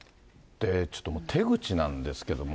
ちょっともう手口なんですけれども。